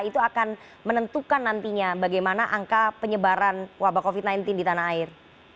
itu akan menentukan nantinya bagaimana angka penyebaran wabah covid sembilan belas di tanah air